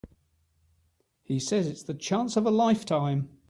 He says it's the chance of a lifetime.